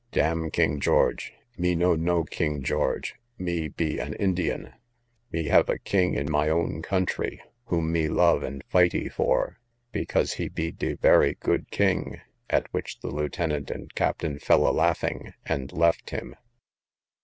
Dam king George, mee know no king George: mee be an Indian, mee have a king in my own country, whom mee love and fightee for, because he be de very good king: at which the lieutenant and captain fell a laughing, and left him.